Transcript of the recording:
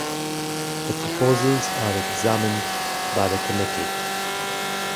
The proposals are examined by the Committee.